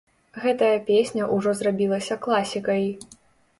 Гэтая песня ўжо зрабілася класікай.